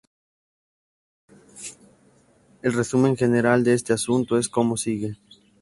El resumen general de este asunto es como sigue.